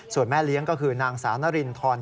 ส่วนแม่เลี้ยงก็คือนางสาวนรินทร